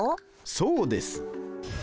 そうです。